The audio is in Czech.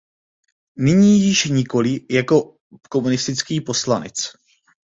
Nyní již nikoliv jako komunistický poslanec.